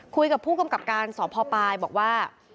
คุยกับผู้กำกับการสพปลายบอกว่า